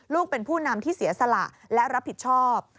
เป็นผู้นำที่เสียสละและรับผิดชอบ